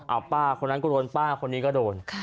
เอาป้าคนนั้นก็โดนป้าคนนี้ก็โดน